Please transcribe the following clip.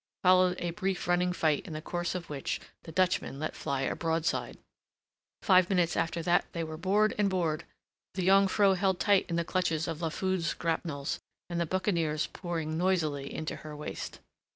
Followed a brief running fight in the course of which the Dutchman let fly a broadside. Five minutes after that they were board and board, the Jongvrow held tight in the clutches of La Foudre's grapnels, and the buccaneers pouring noisily into her waist.